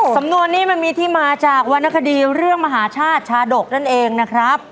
สำนวนนี้มันมีที่มาจากวรรณคดีเรื่องมหาชาติชาดกนั่นเองนะครับ